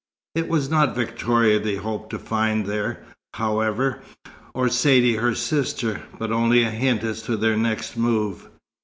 It was not Victoria they hoped to find there, however, or Saidee her sister, but only a hint as to their next move.